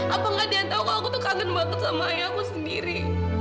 apakah dia tahu kok aku tuh kangen banget sama ayah aku sendiri